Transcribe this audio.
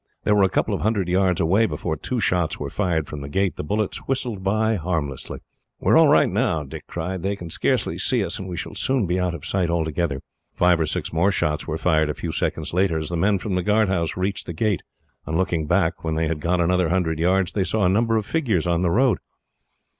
They were a couple of hundred yards away, before two shots were fired from the gate. The bullets whistled by harmlessly. "We are all right now," Dick cried. "They can scarcely see us, and we shall soon be out of sight altogether." Five or six more shots were fired a few seconds later, as the men from the guard house reached the gate. On looking back, when they had gone another hundred yards, they saw a number of figures on the road.